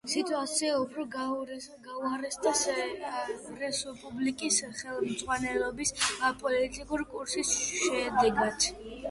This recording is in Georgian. სიტუაცია უფრო გაუარესდა რესპუბლიკის ხელმძღვანელობის პოლიტიკური კურსის შედეგად.